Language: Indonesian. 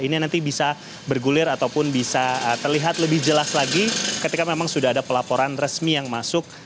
ini nanti bisa bergulir ataupun bisa terlihat lebih jelas lagi ketika memang sudah ada pelaporan resmi yang masuk